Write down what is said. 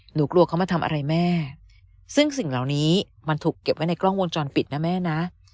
หนูกลัวเขามาทำอะไรแม่ซึ่งสิ่งเหล่านี้มันถูกเก็บไว้ในกล้องวงจรปิดนะแม่นะ